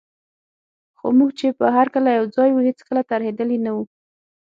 خو موږ چي به هر کله یوځای وو، هیڅکله ترهېدلي نه وو.